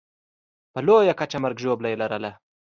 په لویه کچه مرګ ژوبله یې لرله.